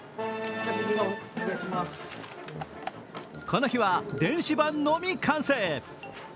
この日は電子版のみ完成。